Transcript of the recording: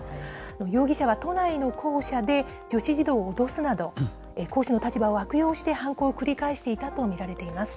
容疑者は都内の校舎で女子児童を脅すなど、講師の立場を悪用して犯行を繰り返していたと見られています。